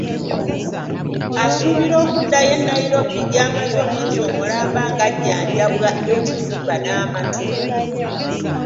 Asuubira okuddayo e Nairobi gy’amaze omwezi omulamba ng’ajjanjabwa ekibumba n’amatu.